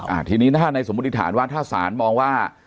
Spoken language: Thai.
อ่าทีนี้ถ้าในสมมุติฐานว่าถ้าศาลมองว่า